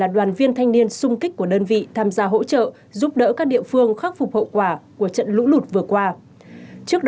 đoàn viên thanh niên công an phường đã lập tức có mặt